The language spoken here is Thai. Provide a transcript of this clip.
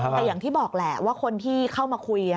แต่อย่างที่บอกแหละว่าคนที่เข้ามาคุย